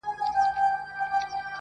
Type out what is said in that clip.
دا ربات یې دی هېر کړی له پېړیو!